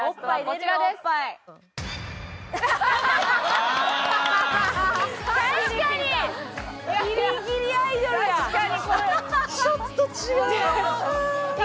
ちょっと違うな。